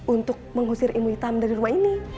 untuk mengusir ilmu hitam dari rumah ini